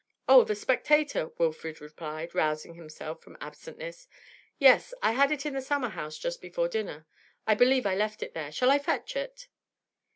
'Oh, the "Spectator,"' Wilfrid replied, rousing himself from absentness. 'Yes, I had it in the summer house just before dinner; I believe I left it there. Shall I fetch it?'